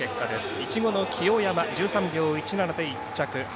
いちごの清山１３秒１７で１着。